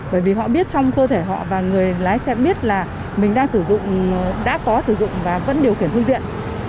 bởi vì họ biết trong cơ thể họ và người lái xe biết là mình đã có sử dụng và vẫn điều khiển phương tiện